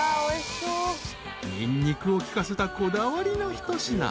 ［ニンニクを利かせたこだわりの一品］